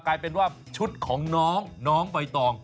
กลายเป็นว่าชุดของน้องน้องใบตอง